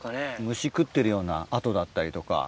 虫食ってるような跡だったりとか。